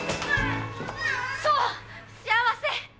そう幸せ！